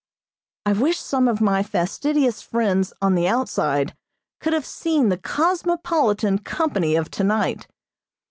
I wish some of my fastidious friends on the outside could have seen the cosmopolitan company of tonight.